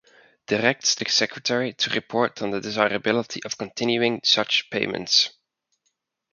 Directs the Secretary to report on the desirability of continuing such payments.